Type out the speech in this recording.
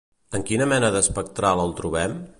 En quina mena d'espectral el trobem?